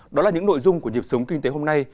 đó là những nội dung của nhịp sống kinh tế hôm nay